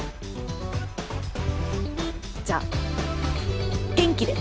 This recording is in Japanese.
じゃあ元気で。